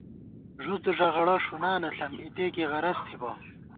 ݫُد ݫغڑہ ݭُنانہ ݪم ، اِتے کی غرض تھِبہ